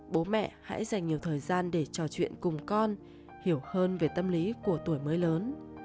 bố mẹ hãy dành nhiều thời gian để trò chuyện cùng con hiểu hơn về tâm lý của tuổi mới lớn